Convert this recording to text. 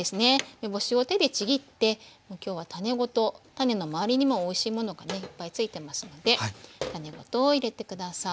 梅干しを手でちぎってもう今日は種ごと種の回りにもおいしいものがねいっぱいついてますので種ごとを入れて下さい。